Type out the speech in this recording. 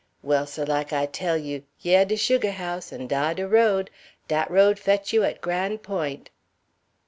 Well, seh, like I tell you, yeh de sugah house, an' dah de road. Dat road fetch you at Gran' Point'."